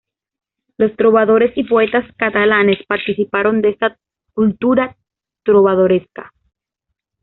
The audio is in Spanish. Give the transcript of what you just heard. Los trovadores y poetas catalanes participaron de esta cultura trovadoresca.